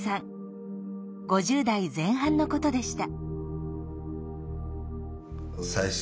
５０代前半のことでした。